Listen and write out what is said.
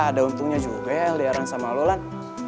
ada untungnya juga ya liaran sama lo lan